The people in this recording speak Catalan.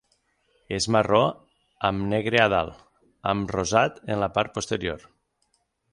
És marró amb negre a dalt, amb rosat en la part posterior.